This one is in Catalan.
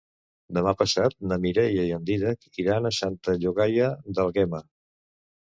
Demà passat na Mireia i en Dídac iran a Santa Llogaia d'Àlguema.